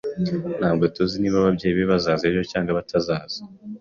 Ntabwo tuzi niba ababyeyi be bazaza ejo cyangwa batazaza.